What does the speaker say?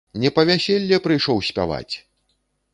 Не па вяселле прыйшоў спяваць!